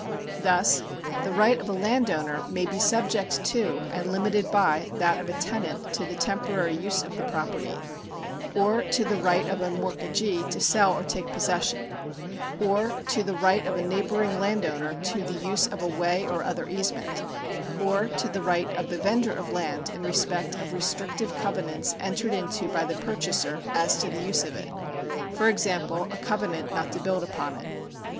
Thus the right of a landowner may be subject to and limited by that of a tenant to the temporary use of the property ; or to the right of a mortgagee to sell or take possession ; or to the right of a neighbouring landowner to the use of a way or other easement ; or to the right of the vendor of land in respect of restrictive covenants entered into by the purchaser as to the use of it ; for example, a covenant not to build upon it.